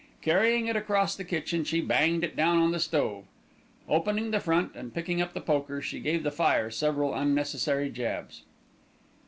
Carrying it across the kitchen, she banged it down on the stove. Opening the front, and picking up the poker, she gave the fire several unnecessary jabs.